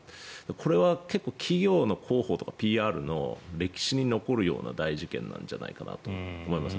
これ、結構企業の広報とかＰＲとかの歴史に残るような大事件なんじゃないかと思います。